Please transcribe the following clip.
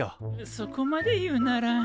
そこまで言うなら。